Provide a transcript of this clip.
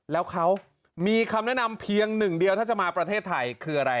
แล้วเขามีคำแนะนำเพียงหนึ่งเดียวถ้าจะมาประเทศไทยคืออะไร